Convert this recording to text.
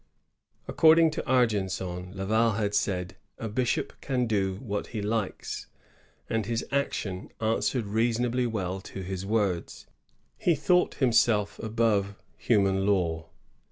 According to Argenson, Laval had said, ^ A bishop can do what he likes; " and his action answered rea sonably well to his words. He thought himself above human law.